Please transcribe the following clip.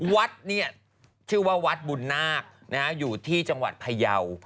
วัดเนี่ยชื่อว่าวัดบุญนาคอยู่ที่จังหวัดพยาว